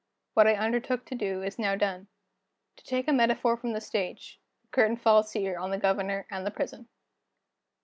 What I undertook to do, is now done. To take a metaphor from the stage the curtain falls here on the Governor and the Prison.